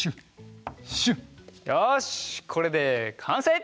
よしこれでかんせい！